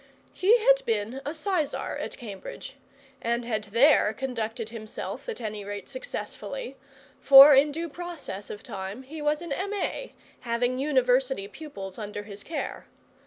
He had been a sizar at Cambridge, and had there conducted himself at any rate successfully, for in due process of time he was an MA, having university pupils under his care.